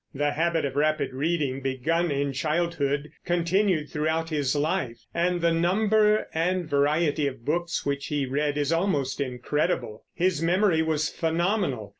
The habit of rapid reading, begun in childhood, continued throughout his life, and the number and vari ety of books which he read is almost incredible. His memory was phenomenal.